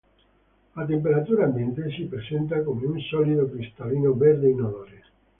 A temperatura ambiente si presenta come un solido cristallino verde inodore.